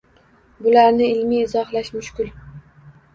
Bularni ilmiy izohlash mushkul.